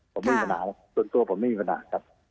ผมไม่มีปัญหาส่วนตัวผมไม่มีปัญหาครับ